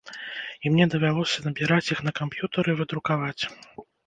І мне давялося набіраць іх на камп'ютары, выдрукаваць.